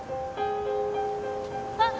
あっ